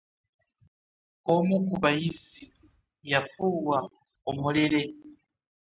Omu ku bayizzi yafuuwa omulere